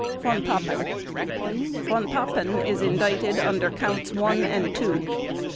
VON PAPEN Von Papen is indicted under Counts One and Two.